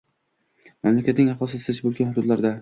Mamlakatning aholisi zich bo‘lgan hududlarida